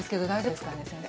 光ですね。